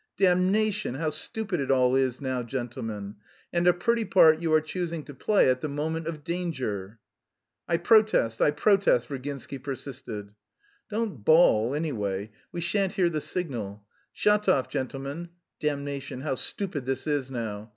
Damnation, how stupid it all is now, gentlemen! And a pretty part you are choosing to play at the moment of danger!" "I protest, I protest!" Virginsky persisted. "Don't bawl, anyway; we shan't hear the signal. Shatov, gentlemen.... (Damnation, how stupid this is now!)